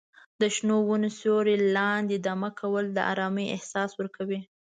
د شنو ونو سیوري لاندې دمه کول د ارامۍ احساس ورکوي.